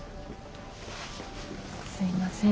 すいません。